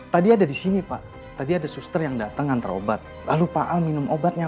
tadi ada di sini pak tadi ada suster yang datang ngantar obat lalu pak a minum obatnya